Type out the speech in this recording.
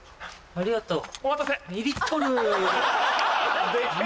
ありがとう。